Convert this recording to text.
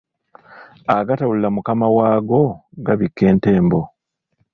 Agatawulira Mukama waago gabikka entembo.